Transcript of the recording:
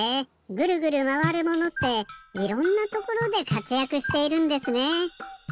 ぐるぐるまわるものっていろんなところでかつやくしているんですね。